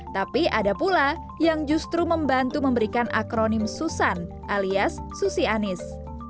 tapi ada pula yang justru membantu memberikan akronim susan alias susi anis